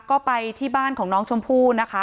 ก็ไปที่บ้านของน้องชมพู่นะคะ